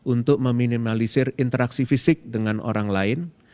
untuk meminimalisir interaksi fisik dengan orang lain